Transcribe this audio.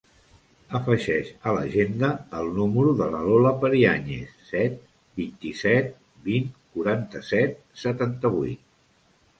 Afegeix a l'agenda el número de la Lola Periañez: set, vint-i-set, vint, quaranta-set, setanta-vuit.